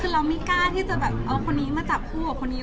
คือเราไม่กล้าที่จะแบบเอาคนนี้มาจับคู่กับคนนี้